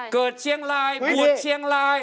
เชียงรายบวชเชียงราย